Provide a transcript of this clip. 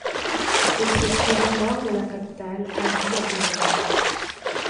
Il se trouve au nord de la capitale Addis-Abeba.